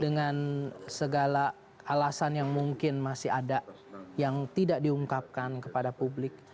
dengan segala alasan yang mungkin masih ada yang tidak diungkapkan kepada publik